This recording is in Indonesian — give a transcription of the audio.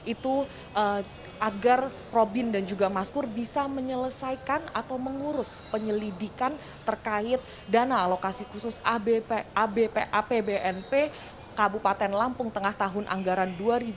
itu agar robin dan juga maskur bisa menyelesaikan atau mengurus penyelidikan terkait dana alokasi khusus abpap bnp kabupaten lampung tengah tahun anggaran dua ribu dua puluh